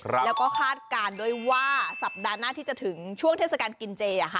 แล้วก็คาดการณ์ด้วยว่าสัปดาห์หน้าที่จะถึงช่วงเทศกาลกินเจ